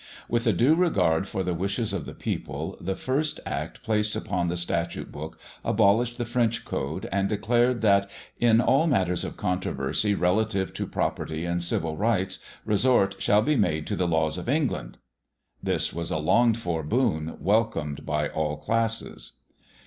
With a due regard for the wishes of the people, the first Act placed upon the statute book abolished the French code, and declared that "in all matters of controversy relative to property and civil rights, resort shall be had to the laws of England." This was a longed for boon welcomed by all classes.